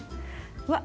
うわっ。